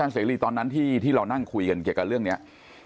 เสรีตอนนั้นที่เรานั่งคุยกันเกี่ยวกับเรื่องนี้